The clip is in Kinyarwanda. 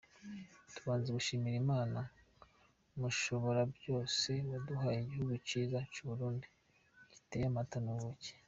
Tubanje gushimira Imana Mushoboravyose yaduhaye Igihugu ciza c'Uburundi, gitemba amata n'ubuki.